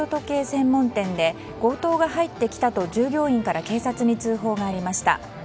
専門店で強盗が入ってきたと従業員から警察に通報がありました。